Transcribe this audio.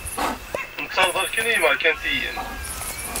Nttarḍal kan i-y-imerkantiyen.